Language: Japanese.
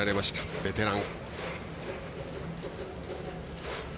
ベテラン。